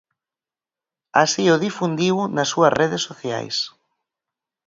Así o difundiu nas súas redes sociais.